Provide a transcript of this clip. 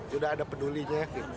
sudah ada pedulinya